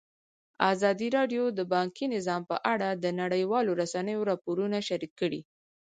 ازادي راډیو د بانکي نظام په اړه د نړیوالو رسنیو راپورونه شریک کړي.